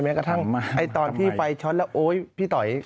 กระทั่งตอนที่ไฟช็อตแล้วโอ๊ยพี่ต่อย